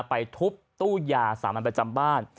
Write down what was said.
ไปทุบตู้ยาสามัญประจำบ้าน